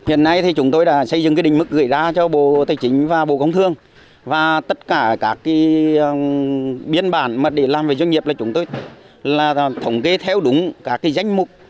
hiện nay thì chúng tôi đã xây dựng cái định mức gửi ra cho bộ tài chính và bộ công thương và tất cả các biên bản mà để làm với doanh nghiệp là chúng tôi là thống kê theo đúng các danh mục